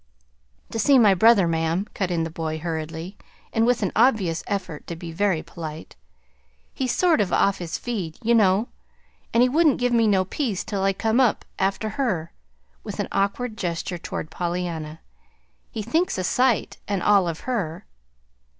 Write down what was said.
"To see my brother, ma'am," cut in the boy hurriedly, and with an obvious effort to be very polite. "He's sort of off his feed, ye know, and he wouldn't give me no peace till I come up after her," with an awkward gesture toward Pollyanna. "He thinks a sight an' all of her."